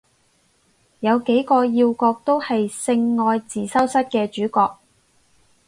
有幾個要角都係性愛自修室嘅主角